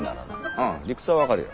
うん理屈は分かるよ。